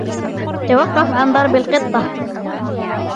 توقف عن ضرب القِطة!